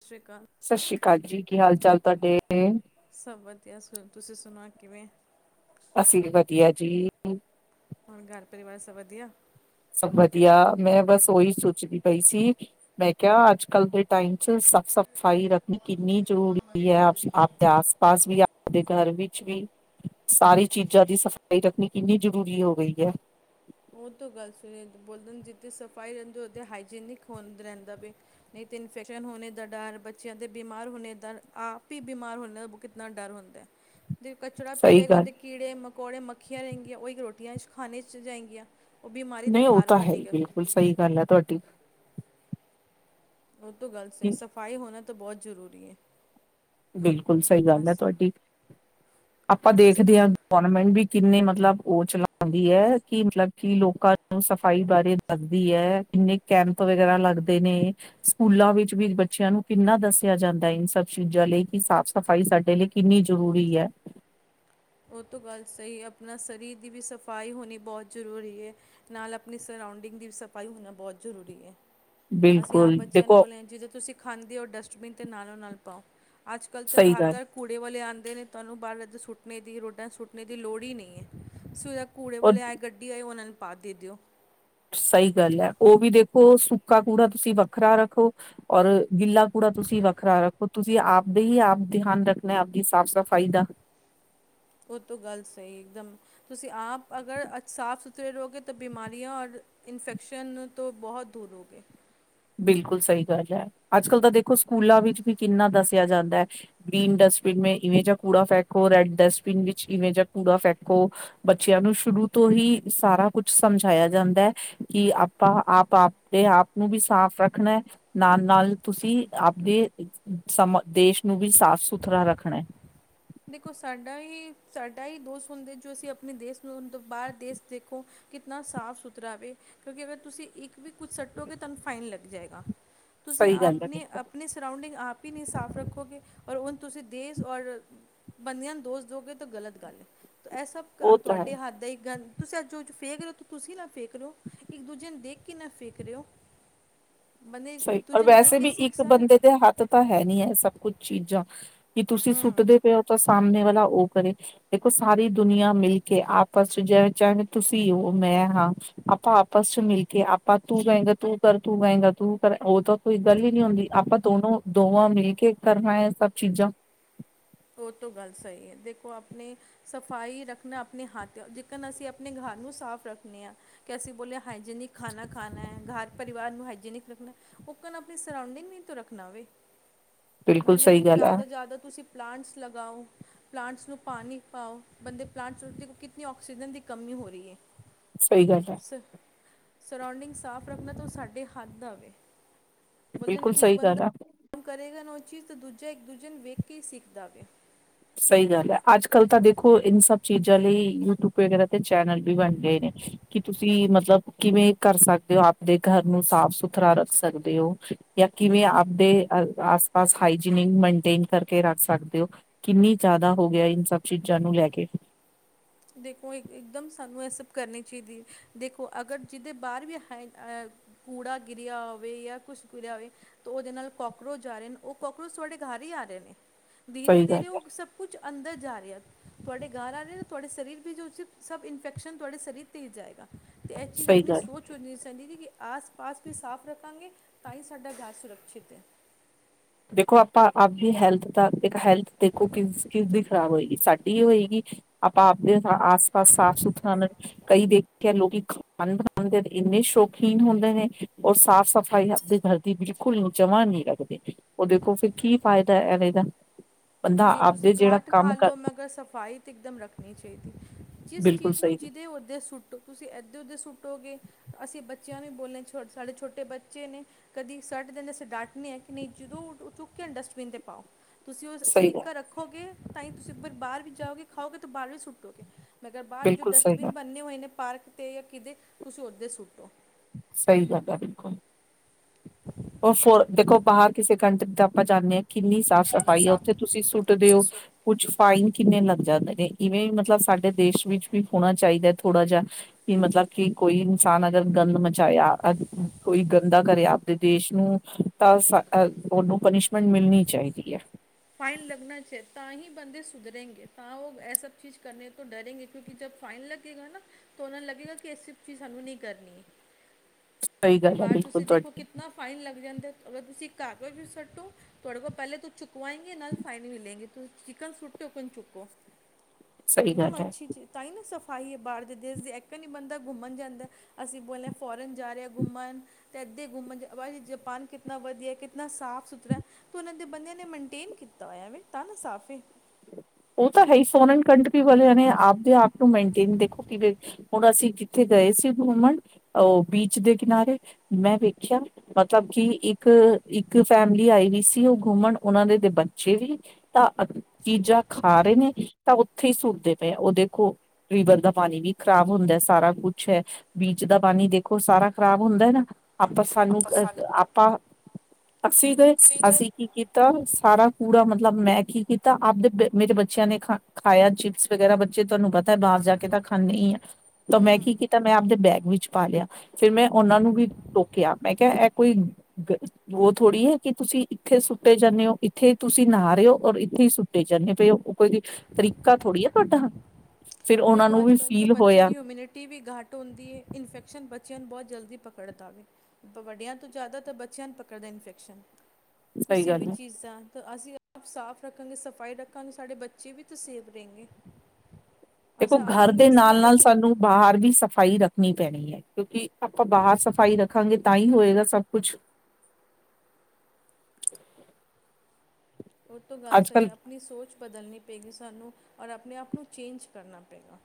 ਸਤਿ ਸ਼੍ਰੀ ਅਕਾਲ ਸਤਿ ਸ੍ਰੀ ਅਕਾਲ ਜੀ ਕੀ ਹਾਲ ਚਾਲ ਤੁਹਾਡੇ ਸਭ ਵਧੀਆ ਸੁ- ਤੁਸੀਂ ਸੁਣ ਕਿਵੇਂ ਅਸੀਂ ਵਧੀਆ ਜੀ ਹੁਣ ਘਰ ਪਰਿਵਾਰ ਸਭ ਵਧੀਆ ਸਭ ਵਧੀਆ ਮੈਂ ਬਸ ਉਓਹੀ ਸੋਚਦੀ ਪਈ ਸੀ ਮੈਂ ਕਿਹਾ ਅੱਜ ਕੱਲ ਦੇ ਟਾਈਮ ਚ ਸਾਫ਼ ਸਫ਼ਾਈ ਰੱਖਣੀ ਕਿੰਨੀ ਜ਼ਰੂਰੀ ਹੈ ਆਪਦੇ ਆਸ ਪਾਸ ਵੀ ਆਪਦੇ ਘਰ ਵਿੱਚ ਵੀ ਸਾਰੀ ਚੀਜ਼ਾਂ ਦੀ ਸਫ਼ਾਈ ਰੱਖਣੀ ਕਿੰਨੀ ਜ਼ਰੂਰੀ ਹੋ ਗਈ ਹੈ ਉਹ ਤੋਂ ਗੱਲ ਸੁ ਬੋਲਦੇ ਜਿੱਥ ਸਫ਼ਾਈ ਰਹਿੰਦੀ ਉ ਹਾਈਨਿਕ ਰਹਿੰਦਾ ਨਹੀਂ ਤਾਂ ਇਨਫੈਕ ਹੋ ਦਾ ਡਰ ਬੱਚਿਆਂ ਦੇ ਬਿਮਾਰ ਹੋਣੇ ਦਾ ਆਪ ਹੀ ਬਿਮਾਰ ਹੋਣੇ ਦਾ ਕਿਤਨਾ ਡਰ ਹੁੰਦਾ ਹੈ ਅਤੇ ਕਚੜਾ ਪਿਆਗਾ ਸਹੀ ਗੱਲ ਉਹਦੇ ਕੀੜੇ ਮਕੌੜੇ ਮੱਖੀਆਂ ਰਗੀਆਂ ਉਹਹੀ ਰੋਟੀਆਂ ਖੀਆਂ ਖਾਣੇ 'ਚ ਜਾਏਗੀਆਂ ਉਹ ਬਿਮਾਰੀ ਦਾ ਨਹੀਂ ਉਹ ਘਰ ਤਾਂ ਹੈ ਹੀ ਬਣੇਗਾ ਬਿਲਕੁਲ ਸਹੀ ਗੱਲ ਹੈ ਤੁਹਾਡੀ ਤੋ ਗੱਲ ਸਹੀ ਸਫਾਈ ਹੋਣਾ ਤੋਂ ਬਹੁਤ ਜਰੂਰੀ ਹ ਬਿਲਕੁਲ ਸਹੀ ਗੱਲ ਹੈ ਤੁਹਾਡੀ ਆਪਾਂ ਅਸੀਂ ਦੇਖਦੇ ਹਾਂ ਗਵਰਮੈਂਟ ਵੀ ਕਿੰਨੇ ਮਤਲਬ ਉਹ ਚਲਾਉਂਦੀ ਹੈ ਕਿ ਮਤਲਬ ਕਿ ਲੋਕਾਂ ਨੂੰ ਸਫ਼ਾਈ ਬਾਰੇ ਦੱਸਦੀ ਹੈ ਕਿੰਨੇ ਕੈਂਪ ਵਗੈਰਾ ਲੱਗਦੇ ਨੇ ਸਕੂਲਾਂ ਵਿੱਚ ਵੀ ਬੱਚਿਆਂ ਨੂੰ ਕਿੰਨਾ ਦੱਸਿਆ ਜਾਂਦਾ ਇਨ ਸਬ ਜਲੇ ਕਿ ਸਾਫ਼ ਸਫ਼ਾਈ ਸਾਡੇ ਲਈ ਕਿੰਨੀ ਜ਼ਰੂਰੀ ਹੈ ਉਹ ਤੋਂ ਗੱਲ ਸਹੀ ਆਪਣਾ ਸਰੀਰ ਦੀ ਵੀ ਸਫਾਈ ਹੋਣੀ ਬਹੁਤ ਜ਼ਰੂਰੀ ਹੈ ਨਾਲ ਆਪਣੀ ਸਰਊਂਡਿੰਗ ਦੀ ਵੀ ਸਫਾਈ ਹੋਣਾ ਬਹੁਤ ਜ਼ਰੂਰੀ ਹੈ ਅਸੀਂ ਆਪ ਬਿਲਕੁਲ ਬੱਚਿਆਂ ਨੂੰ ਦੇਖੋ ਬੋਲੇ ਆ ਜਦੋਂ ਤੁਸੀਂ ਖਾਂਦੇ ਹੋ ਡਸਟਬਿਨ ਤੇ ਨਾਲੋ ਨਾਲ [inaudible] ਅੱਜ ਕੱਲ੍ਹ ਤਾਂ ਸਹੀ ਘਰ ਗੱਲ ਘਰ ਕੂੜੇ ਵਾਲੇ ਆਂ ਤੁਹਾਨੂੰ ਬਾਹਰੱਧ ਸੁੱਟਣੇ ਰੋਡਾ ਸੁਟਨੇ ਦੀ ਲੋੜ ਹੀ ਨਹੀਂ ਹੈ ਸੋ ਕੂੜੇ ਬ ਔਰ ਵਾਲਿਆ ਗੱਡੀ ਆਈ ਉਹਨਾਂ ਨੂੰ ਆ ਦੇ ਦਿਓ ਸਹੀ ਗੱਲ ਹੈ ਉਹ ਵੀ ਦੇਖੋ ਸੁੱਕਾ ਕੂੜਾ ਤੁਸੀਂ ਵੱਖਰਾ ਰੱਖੋ ਔਰ ਗਿੱਲਾ ਕੂੜਾ ਤੁਸੀਂ ਵੱਖਰਾ ਰੱਖੋ ਤੁਸੀਂ ਆਪਦੇ ਹੀ ਆਪ ਧਿਆਨ ਰੱਖਣਾ ਆਪਦੀ ਸਾਫ਼ ਸਫ਼ਾਈ ਦਾ ਉਹ ਤੋਂ ਗੱਲ ਸਹੀ ਇੱਕਦਮ ਤੁਸੀਂ ਆਪ ਅਗਰ ਸਾਫ਼ ਸੁਥਰੇ ਰਹੋਗੇ ਤਾਂ ਬਿਮਾਰੀਆਂ ਔਰ ਇਨਫੈਕਸ਼ਨ ਤੋਂ ਬਹੁਤ ਦੂਰ ਹੋ ਗਏ ਬਿਲਕੁਲ ਸਹੀ ਗੱਲ ਹੈ ਅੱਜ ਕੱਲ ਤਾਂ ਦੇਖੋ ਸਕੂਲਾਂ ਵਿੱਚ ਵੀ ਕਿੰਨਾ ਦੱਸਿਆ ਜਾਂਦਾ ਹੈ ਗ੍ਰੀਨ ਡਸਟਬਿਨ ਮ ਇਵੇਂ ਜਹਾ ਕੂੜਾ ਫੈਕੋ ਰੈਡ ਡਸਟਬਿਨ ਵਿੱਚ ਇਵੇਂ ਜ ਕੂੜਾ ਫੈਕੋ ਬੱਚਿਆਂ ਨੂੰ ਸ਼ੁਰੂ ਤੋਂ ਹੀ ਸਾਰਾ ਕੁਛ ਸਮਝਾਇਆ ਜਾਂਦਾ ਹੈ ਕਿ ਆਪਾਂ ਆਪ ਆਪਦੇ ਆਪ ਨੂੰ ਵੀ ਸਾਫ਼ ਰੱਖਣਾ ਨਾਲ ਨਾਲ ਤੁਸੀਂ ਆਪਦੇ ਸਮ ਦੇਸ਼ ਨੂੰ ਵੀ ਸਾਫ਼ ਸੁਥਰਾ ਰੱਖਣਾ ਦੇਖੋ ਸਾਡਾ ਹੀ ਸਾਡਾ ਹੀ ਦੋਸਤ ਹੁੰਦੇ ਜੋ ਅਸੀਂ ਆਪਣੇ ਦੇਸ਼ ਨੂੰਤ ਬਾਹਰ ਦੇਸ਼ ਦੇਖੋ ਕਿਤਨਾ ਸਾਫ਼ ਸੁਥਰਾਵੇ ਕਿਉਂਕਿ ਅਗਰ ਤੁਸੀਂ ਇੱਕ ਵੀ ਕੁਝ ਸੱਟੋਗੇ ਤੁਹਾਨੂੰ ਫਾਈਨ ਲੱਗ ਜਾਏਗਾ ਤੁਸੀਂ ਸਹੀ ਗੱਲ ਹੈ ਆਪਣੀ ਬਿਲਕੁਲ ਆਪਣੀ ਸਉਂਡਿੰਗ ਨਹੀਂ ਸਾਫ਼ ਰੱਖੋਗੇ ਔਰ ਤੁਸੀਂ ਦੇਸ ਔਰ ਬੰਦੇ ਨੂੰ ਦੋਸਤ ਦੋ ਗ ਤਾਂ ਗ਼ਲਤ ਹੈ ਇਹ ਸਭ ਉਹ ਤਾਂ ਹੈ ਤੁਹਾਡੇ ਹੱਥ ਦਾ ਗੰ ਤੁਸੀਂ ਅੱਜ ਫੇਕ ਰੋ ਤੁਸੀਂ ਨਾ ਫੇਕ ਰੋ ਇੱਕ ਦੂਜੇ ਨੂੰ ਦੇਖ ਕੇ ਨਾ ਫੇਕ ਰ ਹੋ ਬੰਦੇ ਸਹੀ ਇੱਕ ਰ ਦੂਜੇ ਨੂੰ ਦੇਖ ਵੈਸੇ ਵੀ ਕੇ ਸਿੱਖ ਇੱਕ ਸਨ ਬੰਦੇ ਦੇ ਹੱਥ ਤਾਂ ਹੈ ਨੀ ਹੈ ਸਭ ਕੁੱਛ ਚੀਜ਼ਾਂ ਕੀ ਤੁਸੀਂ ਹੂੰ ਸੁੱਟਦੇ ਪਏ ਹੋ ਤਾਂ ਸਾਹਮਣੇ ਵਾਲੇ ਉਹ ਕਰੇ ਦੇਖੋ ਸਾਰੀ ਦੁਨੀਆਂ ਮਿਲ ਕੇ ਆਪਸ ਚ ਚਾਹ ਤੁਸੀਂ ਉਹ ਮੈਂ ਹਾਂ ਆਪਾਂ ਆਪਸ ਚ ਮਿਲ ਕੇ ਆਪਾਂ ਤੂੰ ਗਏਗਾ ਤੂੰ ਕਰ ਤੂੰ ਗਏਗਾ ਤੂੰ ਕਰ ਉਹ ਤਾਂ ਕੋਈ ਗੱਲ ਹੀ ਨੀ ਹੁੰਦੀ ਆਪਾਂ ਦੋਨੋ ਦੋਵਾਂ ਮਿਲ ਕੇ ਕਰਨਾ ਹੈ ਸਭ ਚੀਜ਼ਾਂ ਉਹ ਤੋਂ ਗੱਲ ਸਹੀ ਹੈ ਦੇਖੋ ਆਪਣੇ ਸਫ਼ਾਈ ਰੱਖਣਾ ਆਪਣੇ ਹੱਥ ਜਕਨ ਅਸੀਂ ਆਪਣੇ ਘਰ ਨੂੰ ਸਾਫ਼ ਰੱਖਣੇ ਹਾਂ ਕਿ ਅਸੀਂ ਬੋਲਿਆ ਹਾਈਜੀਨਿਕ ਖਾਣਾ ਖਾਣਾ ਹੈ ਘਰ ਪਰਿਵਾਰ ਨੂੰ ਹਾਈਜੀਨਿਕ ਰੱਖਣਾ ਉਹਓਕਨ ਆਪਣੀ ਸਰਊਂਡਿੰਗ ਨਹੀਂ ਤੋਂ ਰੱਖਣਾ ਹੋਵੇ ਬਿਲਕੁਲ ਸਹੀ [unintelligible] ਗੱਲ ਹੈ ਜਿਆਦਾ ਜਿਆਦਾ ਤੁਸੀਂ ਪਲਾਂਟਸ ਲਗਾਓ ਪਲਾਂਟਸ ਨੂੰ ਪਾਣੀ ਪਾਓ ਬੰਦੇ ਪਲਾਂਟਸ ਨੂੰ ਦੇਖੋ ਕਿੰਨੀ ਆਕਸੀਜਨ ਦੀ ਕਮੀ ਹੋ ਰਹੀ ਹੈ ਸਹੀ ਗੱਲ ਹੈ ਸਰਾਉਂਡਿੰਗ ਸਾਫ਼ ਰੱਖਣਾ ਤੋਂ ਸਾਡੇ ਹੱਥ ਦਾ ਆਵੇ ਬਿਲਕੁਲ ਸਹੀ ਗੱਲ ਹੈ ਕਰੇਗਾ ਨਾ ਉਹ ਚੀਜ਼ ਤਾਂ ਦੂਜਾ ਇੱਕ ਦੂਜੇ ਨੂੰ ਵੇਖ ਕੇ ਹੀ ਸਿੱਖਦਾ ਗਿਆ ਸਹੀ ਗੱਲ ਹੈ ਅੱਜ ਕੱਲ ਤਾਂ ਦੇਖੋ ਇਨ ਸਬ ਚੀਜ਼ਾਂ ਲਈ ਯੂਟਊਬ ਵਗੈਰਾ ਤੇ ਚੈਨਲ ਵੀ ਬਣ ਗਏ ਨੇ ਕਿ ਤੁਸੀਂ ਮਤਲਬ ਕਿਵੇਂ ਕਰ ਸਕਦੇ ਹੋ ਆਪਦੇ ਘਰ ਨੂੰ ਸਾਫ ਸੁਥਰਾ ਰੱਖ ਸਕਦੇ ਹੋ ਜਾਂ ਕਿਵੇਂ ਆਪਦੇ ਆਸ ਪਾਸ ਹਨ ਮੇਨਟੇਨ ਕਰਕੇ ਰੱਖ ਸਕਦੇ ਹੋ ਕਿੰਨੀ ਜ਼ਿਆਦਾ ਹੋ ਗਿਆ ਇਨ ਸਭ ਚੀਜ਼ਾਂ ਨੂੰ ਲੈ ਕੇ ਦੇਖੋ ਇੱਕਦਮ ਸਾਨੂੰ ਇਹ ਸਭ ਕਰਨੀ ਚਾਹੀਦੀ ਦੇਖੋ ਅਗਰ ਜਿਹਦੇ ਬਾਹਰ ਵੀ ਹੈ ਕੂੜਾ ਗਿਰਿਆ ਹੋਵੇ ਜਾਂ ਕੁਛ ਗਿਰਿਆ ਹੋਵੇ ਤਾਂ ਉਹਦੇ ਨਾਲ ਕੋਕਰੋਚ ਆ ਰਹੇ ਨੇ ਉਹ ਕੋਕਰੋਚ ਤੁਹਾਡੇ ਘਰ ਹੀ ਆ ਰਹੇ ਨੇ ਦੀਰੇ ਸਹੀ ਗੱਲ ਦੀਰੇ ਹੈ ਉਹ ਸਭ ਕੁਛ ਅੰਦਰ ਜਾ ਰਿਹਾ ਤੁਹਾਡੇ ਘਰ ਆ ਰਹੇ ਤੁਹਾਡੇ ਸਰੀਰ ਵੀ ਜੋ ਸੀ ਸਭ ਇਨਫੈਕਸ਼ਨ ਤੁਹਾਡੇ ਸਰੀਰ ਤੇ ਜਾਏਗਾ। ਤੇ ਇਹ ਚੀਜ਼ ਸਹੀ ਆਪਣੀ ਗੱਲ ਸੋਚ ਹੋਣੀ ਚਾਹੀਦੀ ਕੀ ਆਸ ਪਾਸ ਵੀ ਸਾਫ਼ ਰੱਖਾਂਗੇ ਤਾਂ ਹੀ ਸਾਡਾ ਘਰ ਸੁਰੱਖਸ਼ਿਤ ਹੈ ਦੇਖੋ ਆਪਾਂ ਆਪਦੀ ਹੈਲਥ ਤਾਂ ਇੱਕ ਹੈਲਥ ਦੇਖੋ ਕਿਸ ਕਿਸ ਖ਼ਰਾਬ ਹੋਏਗੀ ਸਾਡੀ ਇਹ ਹੋਏਗੀ ਆਪਾਂ ਆਪਦੇ ਆਸ ਪਾਸ ਸਾਫ਼ ਸੁਥਰਾ ਕਈ ਦੇਖੇ ਲੋਕੀ ਖਾਣ ਬ ਦੇ ਇੰਨੇ ਸ਼ੋਕੀਨ ਹੁੰਦੇ ਨੇ ਔਰ ਸਾਫ਼ ਸਫ਼ਾਈ ਆਪਦੇ ਘਰ ਦੀ ਬਿਲਕੁਲ ਜਮ੍ਹਾਂ ਨਹੀਂ ਰੱਖਦੇ ਉਹ ਦੇਖੋ ਫਿਰ ਕੀ ਫਾਇਦਾ ਇਹ ਦਾ ਬੰਦਾ ਨਹੀਂ ਤੁਸੀਂ ਆਪਦੇ ਜਿਹੜਾ ਘੱਟ ਕੰਮ ਖਾ ਕਰ ਲਓ ਮਗਰ ਸਫ਼ਾਈ ਤਾਂ ਇਕਦਮ ਰੱਖਣੀ ਚਾਹੀਦੀ ਜਿਸ ਬਿਲਕੁਲ ਚੀਜ਼ ਨੂੰ ਸਹੀ ਜਿਹਦੇ ਹੁੰਦੇ ਸੁੱਟੋ ਤੁਸੀਂ ਇਧਰ ਉਧਰ ਸੁੱਟੋਗੇ ਅਸੀਂ ਬ ਬੱਚਿਆਂ ਨੂੰ ਬੋਲਣੇ ਸਾਡੇ ਛੋਟੇ ਬੱਚੇ ਨੇ ਕਦੀ ਸੱਟ [unintelligible] ਨਹੀਂ ਆ ਕਿ ਨਹੀਂ ਜਦੋਂ ਚੁੱਕ ਕੇ ਡਸਟਬਿਨ ਤੇ ਪਾਓ ਤੁਸੀਂ ਉਹ ਸਹੀ ਸਰੀ ਗੱਲ [unintelligible] ਰੱਖੋਗੇ ਤਾਂ ਹੀ ਤੁਸੀ ਫਿਰ ਬਾਹਰ ਵੀ ਜਾਓਗੇ ਖਾਓਗੇ ਤਾਂ ਬਾਹਰ ਵੀ ਸੁੱਟੋਗੇ। ਮਗਰ ਬਾਹਰ ਜੋ ਬਿਲਕੁਲ ਸਹੀ ਗੱਲ ਡਸਟਬਿਨ ਬੰਨੇ ਹੋਏ ਨੇ ਪਾਰਕ ਤੇ ਜਾਂ ਕਿਤੇ ਤੁਸੀਂ ਓਦੇ ਸੁੱਟੋ। ਸਹੀ ਗੱਲ ਹੈ ਬਿਲਕੁਲ। [unintelligible] ਦੇਖੋ ਬਾਹਰ ਕਿਸੇ ਕੰਟਰੀ ਦਾ ਆਪਾਂ ਜਾਣਾ ਹਾਂ ਕਿੰਨੀ ਸਾਫ਼। ਕਿੰਨੀ ਸਫਾਈ ਆ ਸਾਫ਼ ਉੱਥੇ ਤੁਸੀਂ ਸੁੱਟਦੇ ਤੁਸੀਂ ਹੋ ਸੁੱਟ ਕੁੱਛ ਫਾਈਨ ਕਿੰਨੇ ਲੱਗ। [unintelligible] ਇਵੇਂ ਮਤਲਬ ਸਾਡੇ ਦੇਸ਼ ਵਿੱਚ ਵੀ ਹੋਣਾ ਚਾਹੀਦਾ ਥੋੜਾ ਜਿਹਾ ਕਿ ਮਤਲਬ ਕਿ ਕੋਈ ਇਨਸਾਨ ਅਗਰ ਗੰਦ ਮਚਾਇਆ ਕੋਈ ਗੰਦਾ ਕਰਿਆ ਆਪਦੇ ਦੇਸ਼ ਨੂੰ [unintelligible] ਉਹਨੂੰ ਪਨੀਸ਼ਮੈਂਟ ਮਿਲਣੀ ਚਾਹੀਦੀ ਐ। ਫਾਈਨ ਲੱਗਣਾ ਚਾਹੀਦਾ ਤਾਂ ਹੀ ਬੰਦੇ ਸੁਧਰਂਗੇ ਤਾਂ ਉਹ ਇਹ ਸਭ ਚੀਜ਼ ਕਰਨੇ ਤੋਂ ਡਰਂਗੇ ਕਿਉਂਕਿ ਜਦੋਂ ਫਾਈਨ ਲੱਗੇਗਾ ਨਾ ਤਾਂ ਉਹ ਨੂੰ ਲੱਗੇਗਾ ਕਿ ਐਸੀ ਚੀਜ਼ ਸਾਨੂੰ ਨਹੀਂ ਕਰਨੀ। ਸਹੀ ਗੱਲ ਹੈ ਬਾਹਰ ਬਿਲਕੁਲ ਤੁਸੀਂ ਦੇਖੋ ਤੁਹਾਡੀ ਕਿਤਨਾ ਫਾਈਨ ਲੱਗ ਜਾਂਦਾ ਅਗਰ ਤੁਸੀਂ ਕਾਗਜ਼ ਵੀ ਸੁੱਟੋ ਤੁਹਾਡੇ ਕੋਲ ਪਹਿਲੇ ਤੂੰ ਚੁੱੱਕ ਵਾਏਗੇ ਨਾਲ ਫਾਈਨ ਵੀ ਲਏਗੇ ਤੁਸੀਂ [unintelligible] ਚੁੱਕੋ ਸਹੀ ਗੱਲ ਇੱਕਦਮ ਹੈ ਅੱਛੀ ਚੀਜ਼ ਤਾਂ ਹੀ ਨਾ ਸਫ਼ ਹੀ ਹੈ ਬਾਹਰ ਦੇਸ਼ ਦੇ ਇੱਕ ਨਹੀਂ ਬੰਦਾ ਘੁੰਮਣ ਜਾਂਦਾ ਅਸੀਂ ਬੋਲਦੇ ਹਾਂ ਫੋਰਨ ਜਾ ਰਹੇ ਘੁੰਮਣ ਅਤੇ ਇੱਧੇ ਘੁੰਮਣ ਜਪਾਨ ਕਿਤਨਾ ਵਧੀਆ ਕਿਤਨਾ ਸਾਫ ਸੁਥਰਾ ਅਤੇ ਉਹਨਾਂ ਦੇ ਬੰਦਿਆਂ ਨੇ ਮੰ ਕਲੀਨ ਕੀਤਾ ਹੋਇਆ ਤਾਂ ਵੀ ਸਾਫ਼ੇ। ਉਹ ਤਾਂ ਹੈ ਫੋਰਨ ਕੰਟਰੀ ਵਾਲਿਆਂ ਨੇ ਆਪਦੇ ਆਪ ਨੂੰ ਮੇਨਟੇਨ ਦੇਖੋ ਕਿ ਹੁਣ ਅਸੀਂ ਕਿੱਥੇ ਗਏ ਸੀ ਘੁੰਮਣ ਉਹ ਬੀਚ ਦੇ ਕਿਨਾਰੇ ਮੈਂ ਵੇਖਿਆ ਮਤਲਬ ਕਿ ਇੱਕ ਇੱਕ ਫੈਮਿਲੀ ਆਈ ਵੀ ਸੀ ਉਹ ਘੁੰਮਣ ਉਹਨਾਂ ਦੇ ਦੇ ਬੱਚੇ ਵੀ ਤਾਂ ਚੀਜ਼ਾਂ ਖਾ ਰਹੇ ਨੇ ਤਾਂ ਉੱਥੇ ਹੀ ਸੁੱਟਦੇ ਪਏ ਉਹ ਦੇਖੋ ਰੀਵਰ ਦਾ ਪਾਣੀ ਵੀ ਖ਼ਰਾਬ ਹੁੰਦਾ ਸਾਰਾ ਕੁਛ ਹੈ ਬੀਚ ਦਾ ਪਾਣੀ ਦੇਖੋ ਸਾਰਾ ਖ਼ਰਾਬ ਹੁੰਦਾ ਨਾ। ਆਪਾਂ ਸਾਨੂੰ ਅ ਆਪਾਂ। ਅਸੀਂ ਗਏ ਸੀਗੇ ਅਸੀਂ ਕੀ ਕੀਤਾ ਸਾਰਾ ਕੂੜਾ ਮਤਲਬ ਮਤਲਬ ਮੈਂ ਕੀ ਕੀਤਾ। ਤਾਂ ਆਪਦੇ ਮੇਰੇ ਬੱਚਿਆਂ ਨੇ ਖਾ ਖਾਇਆ ਚਿਪਸ ਵਗੈਰਾ ਬੱਚੇ ਤੁਹਾਨੂੰ ਪਤਾ ਹੈ ਬਾਹਰ ਜਾ ਕੇ ਤਾਂ ਖਾਣੇ ਹੀ ਆ। ਤਾਂ ਮੈਂ ਕੀ ਕੀਤਾ ਮੈਂ ਆਪਦੇ ਬੈਗ ਵਿੱਚ ਪਾ ਲਿਆ ਫੇਰ ਮੈਂ ਉਹਨਾਂ ਨੂੰ ਵੀ ਟੋਕਿਆ ਮੈਂ ਕਿਹਾ ਇਹ ਕੋਈ ਉਹ ਥੋੜ੍ਹੀ ਹੈ ਕਿ ਤੁਸੀਂ ਇੱਥੇ ਸੁੱਟੇ ਜਾਂਦੇ ਹੋ ਇੱਥੇ ਤੁਸੀਂ ਨਹਾ ਰਹੇ ਹੋ। ਔਰ ਥੇ ਹੀ ਸੁੱਟੇ ਜਾਂਦੇ ਉਹ ਕੋਈ ਤਰੀਕਾ ਥੋੜ੍ਹੀ ਆ ਤੁਹਾਡਾ। ਫਿਰ ਉਹਨਾਂ ਦੇਖੋ ਨੂੰ ਅੱਜ ਵੀ ਕੱਲ੍ਹ ਤਾਂ ਫੀਲ ਬੱਚੇ ਹੋਇਆ ਦੀ ਇਮਿਊਨਿਟੀ ਵੀ ਘੱਟ ਹੁੰਦੀ ਹੈ ਇਨਫੈਕਸ਼ਨ ਬੱਚਿਆਂ ਨੂੰ ਬਹੁਤ ਜਲਦੀ। ਪਕੜ ਦਾ ਵੇ ਵੱਡਿਆਂ ਤੋਂ ਜ਼ਿਆਦਾ ਤਾਂ ਬੱਚਿਆਂ ਨੂੰ ਪਕੜ ਦਾ ਇਨਫੈਕਸ਼ਨ। ਸਹੀ ਤੁਸੀਂ ਵੀ ਗੱਲ ਹੈ ਚੀਜ਼ਾਂ ਤਾਂ ਅਸੀਂ ਆਪ ਸਾਫ਼ ਰੱਖਾਂਗੇ ਸਫ਼ਾਈ ਰੱਖਾਂਗੇ ਸਾਡੇ ਬੱਚੇ ਵੀ ਤਾਂ ਸੇਫ ਰਹਿਗੇ। ਦੇਖੋ ਘਰ ਦੇ ਨਾਲ ਨਾਲ ਸਾਨੂੰ ਬਾਹਰ ਵੀ ਸਫ਼ਾਈ ਰੱਖ ਰਣੀ ਪੈਣੀ ਹੈ ਕਿਉਂਕਿ ਆਪਾਂ ਬਾਹਰ ਸਫ਼ਾਈ ਰੱਖਾਂਗੇ ਤਾਂ ਹੀ ਹੋਏਗਾ ਸਭ ਕੁਛ। ਉਹ ਤੋਂ ਗੱਲ ਸਹੀ ਅੱਜ-ਕੱਲ੍ਹ ਆਪਣੀ ਸੋਚ ਬਦਲਣੀ ਪਏਗੀ ਸਾਨੂੰ। ਔਰ ਆਪਣੇ ਆਪ ਨੂੰ ਚੇਂਜ ਕਰਨਾ ਪਏਗਾ।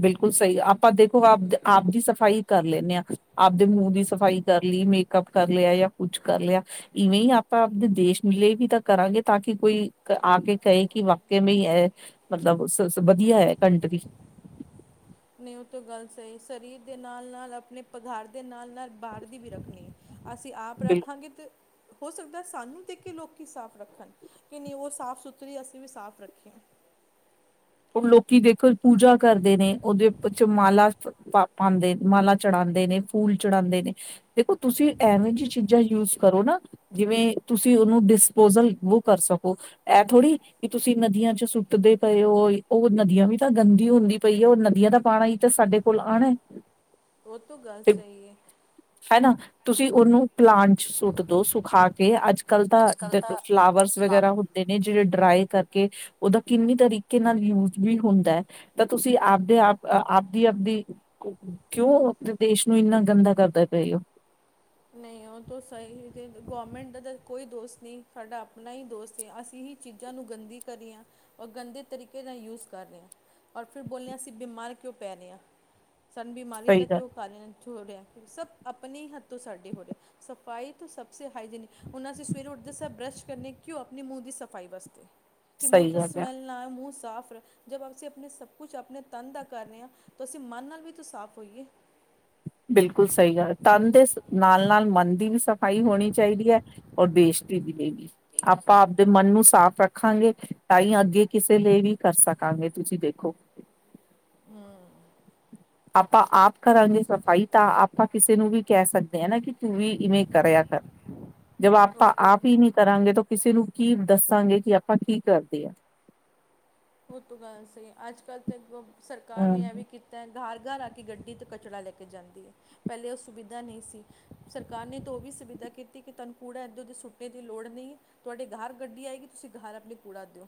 ਬਿਲਕੁਲ ਸਹੀ ਆਪਾਂ ਦੇਖੋ ਆਪ ਆਪ ਦੀ ਸਫ਼ਾਈ ਕਰ ਲੈਂਦੇ ਹਾਂ ਆਪਦੇ ਮੂੰਹ ਦੀ ਸਫ਼ਾਈ ਕਰ ਲਈ ਮੇਕਅਪ ਕਰ ਲਿਆ ਜਾਂ ਕੁਛ ਕਰ ਲਿਆ ਇਵੇਂ ਹੀ ਆਪਾਂ ਆਪਦੇ ਦੇਸ਼ ਦੇ ਲੀਏ ਵੀ ਤਾਂ ਕਰਾਂਗੇ ਤਾਂ ਕਿ ਕੋਈ ਆ ਕੇ ਕਹੇ ਕਿ ਵਾਕ ਹੀ ਹੈ ਮਤਲਬ ਵਧੀਆ ਹੈ ਕੰਟਰੀ। ਨਹੀਂ ਉਹ ਤੋਂ ਗੱਲ ਸਹੀ ਸਰੀਰ ਦੇ ਨਾਲ ਨਾਲ ਆਪਣੇ ਘਰ ਦੇ ਨਾਲ ਨਾਲ ਬਾਹਰ ਦੀ ਵੀ ਰੱਖਣੀ ਅਸੀਂ ਆਪ ਰੱਖਾਂਗੇ ਤੇ। ਹੋ ਸਕਦਾ ਸਾਨੂੰ ਦੇਖ ਕੇ ਲੋਕ ਸਾਫ਼ ਰੱਖਣ, ਕਿ ਨਹੀਂ ਉਹ ਸਾਫ਼ ਸੁਥਰੀ ਅਸੀਂ ਵੀ ਸਾਫ਼ ਰੱਖੀਏ। ਲੋਕੀ ਦੇਖੋ ਪੂਜਾ ਕਰਦੇ ਨੇ, ਉਹਦੇ ਵਿੱਚ ਮਾਲਾ ਪਾ ਪਾਉਂਦੇ ਮਾਲਾ ਚੜਾਉਂਦੇ ਨੇ, ਫੂਲ ਚੜਾਉਂਦੇ ਨੇ, ਦੇਖੋ ਤੁਸੀਂ ਐਵੇਂ ਜਿਹੀ ਚੀਜ਼ਾਂ ਯੂਜ ਕਰੋ ਨਾ ਜਿਵੇਂ, ਤੁਸੀਂ ਉਹਨੂੰ ਡਿਸਪੋਜਲ ਵੋ ਕਰ ਸਕੋ ਇਹ ਥੋੜ੍ਹੀ ਕਿ ਤੁਸੀਂ ਨਦੀਆਂ ਚ ਸੁੱਟਦੇ ਪਏ ਹੋ ਉਹ ਨਦੀਆਂ ਵੀ ਤਾਂ ਗੰਦੀ ਹੁੰਦੀ ਪਈ ਹੈ। ਉਹ ਨਦੀਆਂ ਦਾ ਪਾਣਾ ਹੀ ਤਾਂ ਸਾਡੇ ਕੋਲ ਆਉਣਾ। ਉਹ ਤ ਗੱਲ ਤੇ ਸਹੀ ਹੈ। ਹਨਾ ਤੁਸੀਂ ਉਹਨੂੰ ਪਲਾਨ ਚ ਸੁੱਟ ਦੋ ਸੁਖਾ ਕੇ ਅੱਜ ਕੱਲ ਤਾਂ ਅੱਜ ਕੱਲ੍ਹ ਜ ਤਾਂ ਫਲਾਵਰਸ ਫਲਾ ਵਗੈਰਾ ਹੁੰਦੇ ਨੇ ਜਿਹੜੇ ਡਰਾਈ ਕਰਕੇ ਉਹਦਾ ਕਿੰਨੀ ਤਰੀਕੇ ਨਾਲ ਯੂਜ ਵੀ ਹੁੰਦਾ ਹੈ ਤਾਂ ਤੁਸੀਂ ਆਪਦੇ ਆਪ ਆਪਦੀ ਆਪਦੀ ਕਿਉਂ ਦੇਸ਼ ਨੂੰ ਇੰਨਾ ਗੰਦਾ ਕਰਦਾ ਪਏ ਹੋ। ਨਹੀਂ ਸਹੀ ਗੌਰਮੈਂਟ ਦਾ ਤਾਂ ਕੋਈ ਦੋਸ ਨਹੀਂ ਸਾਡਾ ਆਪਣਾ ਹੀ ਦੋਸ ਹੈ ਅਸੀਂ ਹੀ ਚੀਜ਼ਾਂ ਨੂੰ ਗੰਦੀ ਕਰੀ ਹਾਂ ਔਰ ਗੰਦੇ ਤਰੀਕੇ ਨਾਲ ਯੂਸ ਕਰ ਰਹੇ ਹਾਂ ਔਰ ਫਿਰ ਬੋਲਦੇ ਹਾਂ ਅਸੀਂ ਬਿਮਾਰ ਕਿਉਂ ਪੈ ਰਹੇ ਹਾਂ। ਸਨ ਬਿਮਾਰੀ ਦਾ ਸਹੀ ਗੱਲ ਕਿਉਂ ਕਾਰਨ ਹੋ ਰਿਹਾ ਸਭ ਆਪਣੇ ਹੀ ਹੱਥ ਤੋਂ ਸਾਡੇ ਹੋ ਰਿਹਾ ਸਫ਼ਾਈ ਤੋਂ ਸਭ ਸ ਹਾਈਜੈਨਿਕ ਹੁਣ ਅਸੀਂ ਸਵੇਰੇ ਉੱਠਦੇ ਸ ਬ੍ਰੱਸ਼ ਕਰਨ ਕਿਉਂ ਆਪਣੇ ਮੂੰਹ ਦੀ ਸਫ਼ਾਈ ਵਾਸਤੇ ਕਿ ਮੂੰਹ ਸਹੀ ਤੇ ਗੱਲ ਹੈ ਸਮੈਲ ਨਾ ਮੂੰਹ ਸਾਫ਼ ਜਬ ਅਸੀਂ ਆਪਣੇ ਸਭ ਕੁਛ ਆਪਣੇ ਤਨ ਦਾ ਕਰ ਰੇ ਹਾਂ, ਤਾਂ ਅਸੀਂ ਮਨ ਨਾਲ ਵੀ ਤ ਸਾਫ਼ ਹੋਈਏ ਬਿਲਕੁਲ ਸਹੀ ਗੱਲ ਤਨ ਦੇ ਨਾਲ ਨਾਲ ਮਨ ਦੀ ਵੀ ਸਫ਼ਾਈ ਹੋਣੀ ਚਾਹੀਦੀ ਹੈ ਔਰ ਬੇਸ਼ਤੀ ਦੀ ਲਈ ਵੀ ਆਪਾਂ ਆਪਦੇ ਮਨ ਨੂੰ ਸਾਫ਼ ਰੱਖਾਂਗੇ ਤਾਂ ਹੀ ਅੱਗੇ ਕਿਸੇ ਲਈ ਵੀ ਕਰ ਸਕਾਂਗੇ ਤੁਸੀਂ ਦੇਖੋ ਆਪਾਂ ਆਪ ਕਰਾਂਗੇ ਸਫ਼ਾਈ ਤਾਂ ਆਪਾਂ ਕਿਸੇ ਨੂੰ ਵੀ ਕਹਿ ਸਕਦੇ ਹਾਂ ਨਾ ਕਿ ਤੂੰ ਵੀ ਇਵੇਂ ਕਰਿਆ ਕਰ। ਜਦ ਉਹ ਆਪਾਂ ਤੋਂ ਆਪ ਹੀ ਨਹੀ ਕਰਾਂਗੇ ਤੋ ਕਿਸੇ ਨੂੰ ਕੀ ਦੱਸਾਂਗੇ ਕਿ ਆਪਾਂ ਕੀ ਕਰਦੇ ਹਾਂ ਉਹ ਤ ਗੱਲ ਸਹੀ ਅੱਜ ਕੱਲ ਤਾਂ ਸਰਕਾਰ ਨੇ ਹਮ ਇਹ ਵੀ ਕੀਤਾ ਘਰ ਘਰ ਆ ਕੇ ਗੱਡੀ ਤੋਂ ਕਚਰਾਾ ਲੈ ਕੇ ਜਾਂਦੀ ਹੈ ਪਹਿਲੇ ਉਹ ਸੁਵਿਧਾ ਨਹੀਂ ਸੀ ਸਰਕਾਰ ਨੇ ਤਾਂ ਉਹ ਵੀ ਸੁਵਿਧਾ ਕੀਤੀ ਕਿ ਤੁਹਾਨੂੰ ਕੂੜਾ ਇੱਦੋਂਦੇ ਸੁੱਟੇ ਦੀ ਲੋੜ ਨਹੀਂ ਤੁਹਾਡੇ ਘਾਹਰ ਗੱਡੀ ਆਏਗੀ ਤੁਸੀਂ ਘਾਹਰ ਆਪਣੀ ਕੂੜਾ ਦਿਓ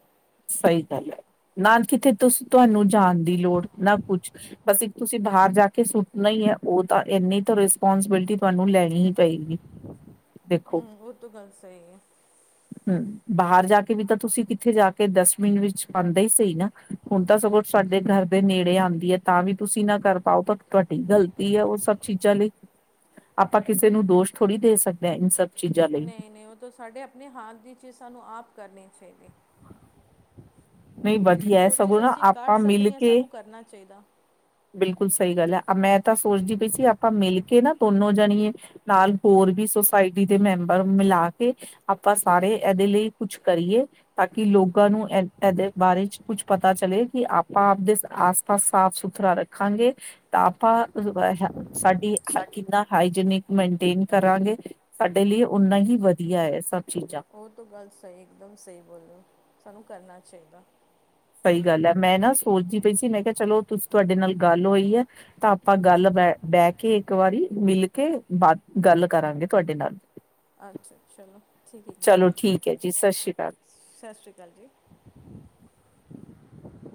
ਸਹੀ ਗੱਲ ਹੈ ਨਾ ਕਿਥੇ ਤੁ ਤੁਹਾਨੂੰ ਜਾਣ ਦੀ ਲੋੜ ਨਾ ਕੁਛ ਬਸ ਇੱਕ ਤੁਸੀਂ ਬਾਹਰ ਜਾ ਕੇ ਸੁੱਟਣਾ ਹੀ ਹੈ ਉਹ ਤਾਂ ਇੰਨੀ ਤਾਂ ਰਿਸਪੋਂਸੀਬਿਲਿਟੀ ਤੁਹਾਨੂੰ ਲੈਣੀ ਹੀ ਪਏਗੀ। ਦੇਖੋ ਹੂੰ ਉਹ ਤੋਂ ਗੱਲ ਸੀ ਤੇ ਬਾਹਰ ਜਾ ਕੇ ਵੀ ਤਾਂ ਤੁਸੀਂ ਕਿੱਥੇ ਜਾ ਕੇ ਡਸਟਬਿਨ ਵਿੱਚ ਪਾਉਂਦੇ ਹੀ ਸੀ ਨਾ ਹੁਣ ਤਾਂ ਸਗੋਂ ਤੁਹਾਡੇ ਘਰ ਦੇ ਨੇੜੇ ਆਉਂਦੀ ਹੈ ਤਾਂ ਵੀ ਤੁਸੀਂ ਨਾ ਕਰ ਪਾਓ ਤਾਂ ਤੁਹਾਡੀ ਗ਼ਲਤੀ ਹੈ ਉਹ ਸਭ ਚੀਜ਼ਾਂ ਲਈ, ਆਪਾਂ ਕਿਸੇ ਨੂੰ ਦੋਸ਼ ਥੋੜੀ ਦੇ ਸਕਦੇ ਹਾਂ। ਇਨ ਸਭ ਚੀਜ਼ਾਂ ਲਈ ਨਹੀਂ-ਨਹੀਂ, ਉਹ ਤਾਂ ਸਾਡੇ ਆਪਣੇ ਹਾਂਥ ਦੀ ਚੀਜ਼ ਸਾਨੂੰ ਆਪ ਕਰਨੀ ਚਾਹੀਦੀ। [unintelligible] ਨਹੀਂ, ਵਧੀਆ ਇਹ ਜੋ ਚੀਜ਼ ਸਗੋਂ ਨਾ ਅਸੀਂ ਕਰ ਆਪਾਂ ਮਿਲ ਸਕਦੇ ਹਾਂ ਕੇ ਸਾਨੂੰ ਕਰਨਾ ਚਾਹੀਦਾ ਬਿਲਕੁਲ, ਸਹੀ ਗੱਲ ਹੈ। ਮੈਂ ਤਾਂ ਸੋਚਦੀ ਪਈ ਸੀ ਆਪਾਂ ਮਿਲ ਕੇ ਨਾ ਦੋਨੋ ਜਾਣੀਏ ਨਾਲ, ਹੋਰ ਵੀ ਸੁੋਸਾਇਟੀ ਦੇ ਮੈਂਬਰ ਮਿਲਾ ਕੇ ਆਪਾਂ ਸਾਰੇ ਇਹਦੇ ਲਈ ਕੁਛ ਕਰੀਏ, ਤਾਂ ਕਿ ਲੋਕਾਂ ਨੂੰ ਇਹਦੇ ਬਾਰੇ ਚ ਕੁਛ ਪਤਾ ਚਲੇ ਕਿ ਆਪਾਂ-ਆਪਦੇ ਆਸ-ਪਾਸ ਸਾਫ਼ ਸੁਥ ਵੱਖਰਾ ਰੱਖਾਂਗੇ ਤਾਂ ਆਪਾ [unintelligible] ਸਾਡੀ ਕਿੰਨਾ ਹਾਈਜੀਨਿਕ ਮੇਨਟੇਨ ਕਰਾਂਗੇ, ਸਾਡੇ ਲਈ ਓਨਾ ਹੀ ਵਧੀਆ ਹੈ। ਚੀਜ਼ਾਂ ਔਹ ਤੋ ਗੱਲ ਸਹੀ ਇੱਕਦਮ ਸਹੀ ਬੋਲੋ। ਸਾਨੂੰ ਕਰਨਾ ਚਾਹੀਦਾ। ਸਹੀ ਗੱਲ ਹੈ, ਮੈਂ ਨਾ ਸੋਚਦੀ ਪਈ ਸੀ ਮੈਂ ਕਿਹਾ ਚਲੋ ਤੁਹਾਡੇ ਨਾਲ ਗੱਲ ਹੋਈ ਹੈ ਤਾਂ ਆਪਾਂ ਗੱਲ ਬੈ-ਬੈਕੇ ਇੱਕ ਵਾਰੀ ਮਿਲ ਕੇ ਬਾਤ ਗੱਲ ਕਰਾਂਗੇ ਤੁਹਾਡੇ ਨਾਲ। ਅੱਛਾ, ਚਲੋ ਠੀਕ ਚਲੋ ਇਕਦਮ-ਇਕਦਮ ਠੀਕ ਹੈ ਜੀ ਸਤਿ ਸ਼੍ਰੀ ਅਕਾਲ ਸਤਿ ਸ਼੍ਰੀ ਅਕਾਲ ਜੀ। [inaudible]